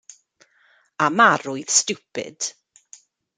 Am arwydd stiwpid.